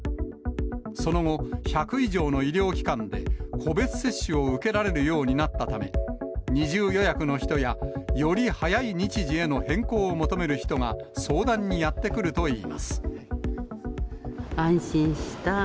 その後、１００以上の医療機関で個別接種を受けられるようになったため、二重予約の人や、より早い日時への変更を求める人が、安心した。